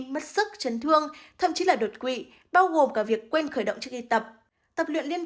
mất sức chấn thương thậm chí là đột quỵ bao gồm cả việc quên khởi động trước khi tập tập luyện liên